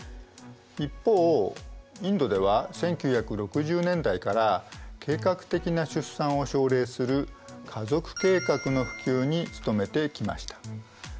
一方インドでは１９６０年代から計画的な出産を奨励する家族計画の普及に努めてきました。